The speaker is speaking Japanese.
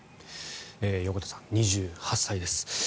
横田さん、２８歳です。